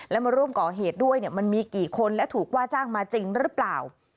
และมาร่วมก่อเหตุด้วยมันมีกี่คนและถูกว่าจ้างมาจริงหรือเปล่า